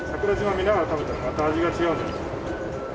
見ながら食べたらまた味が違うんじゃ。